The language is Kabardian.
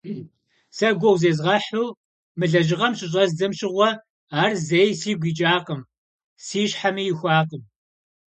Сэ гугъу зезгъэхьу мы лэжьыгъэм щыщӏэздзэм щыгъуэ, ар зэи сигу икӏакъым, си щхьэми ихуакъым.